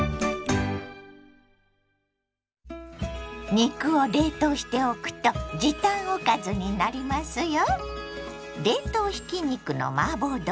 肉を冷凍しておくと時短おかずになりますよ。